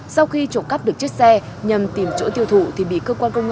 sau khi trọng cấp được chiếc xe nhâm tìm chỗ tiêu thụ thì bị cơ quan công an